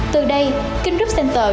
từ đây king group center